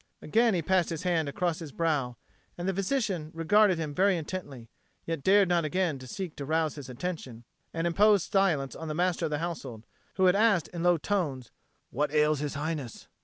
Again he passed his hand across his brow; and the physician regarded him very intently, yet dared not again seek to rouse his attention, and imposed silence on the Master of the Household, who had asked in low tones, "What ails His Highness?"